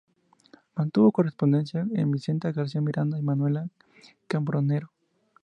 Mantuvo correspondencia con Vicenta García Miranda y Manuela Cambronero.